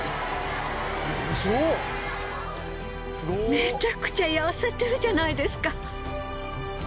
めちゃくちゃ痩せてるじゃないですか！